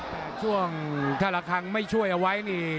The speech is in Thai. แต่ช่วงถ้าละครั้งไม่ช่วยเอาไว้นี่